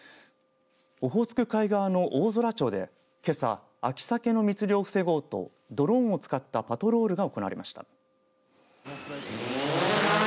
オホーツク海側の大空町でけさ、秋さけの密漁を防ごうとドローンを使ったパトロールが行われました。